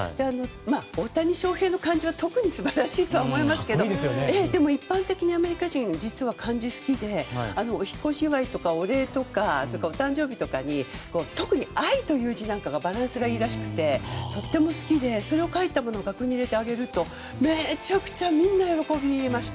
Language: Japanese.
大谷翔平の漢字は特に素晴らしいと思いますが一般的なアメリカ人漢字が好きで引っ越しのお祝いとかお礼とかお誕生日とかに特に「愛」という字なんかがバランスがいいらしくてとても好きでそれを書いたものを額に入れてあげるとめちゃくちゃみんな喜びました。